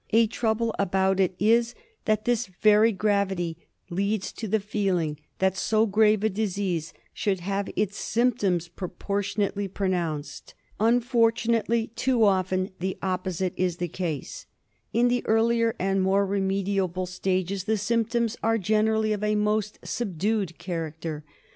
A trouble about it is that this very gravity leads to the feeling that so grave a disease should have its symptoms proportion ately pronounced. Unfortunately, too often, the opposite ABSCESS OF THE LIVER. 175 is the case. In the earlier and more remediable stages the symptoms are generally of a most subdued character.